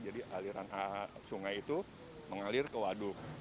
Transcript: jadi aliran sungai itu mengalir ke waduk